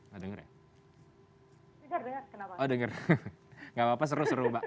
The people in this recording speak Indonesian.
pak sukamto kita bisa jadi dubes dong kalau tidak lulusan fisip nih